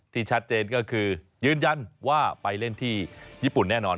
ที่ชัดเจนก็คือยืนยันว่าไปเล่นที่ญี่ปุ่นแน่นอน